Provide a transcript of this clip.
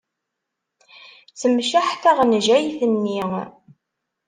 Temceḥ taɣenjayt-nni.